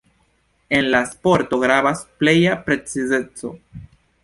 En la sporto gravas pleja precizeco.